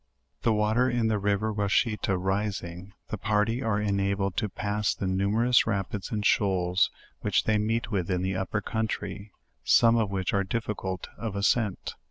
The water in the river Washita rising, the party are ena bled to pass the numerous rapids and shoals which they meet with in the upper country, some of which are difficult of as cent.